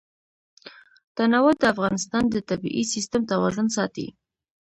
تنوع د افغانستان د طبعي سیسټم توازن ساتي.